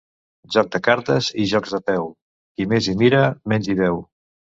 Joc de cartes i jocs de peu, qui més hi mira menys hi veu.